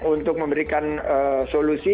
untuk memberikan solusi